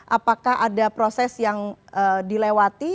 apakah ada proses yang dilewati